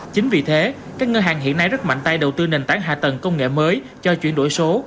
chính vì thế các ngân hàng hiện nay rất mạnh tay đầu tư nền tảng hạ tầng công nghệ mới cho chuyển đổi số